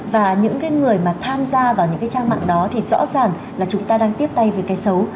và những người mà tham gia vào những trang mạng đó thì rõ ràng là chúng ta đang tiếp tay về cái xấu